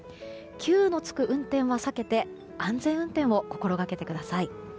急の付く運転を避けて安全運転を心がけてください。